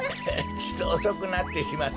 ちとおそくなってしまったが。